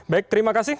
baik terima kasih